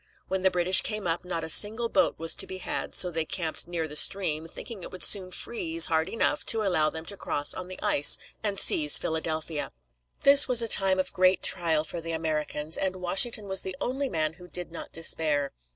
When the British came up, not a single boat was to be had; so they camped near the stream, thinking it would soon freeze hard enough to allow them to cross on the ice and seize Philadelphia. This was a time of great trial for the Americans, and Washington was the only man who did not despair.